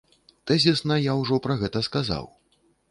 Тэзісна я ўжо пра гэта сказаў.